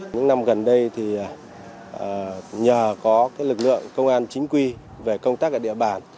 những năm gần đây thì nhờ có lực lượng công an chính quy về công tác ở địa bàn